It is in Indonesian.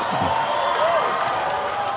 udah pakai jaket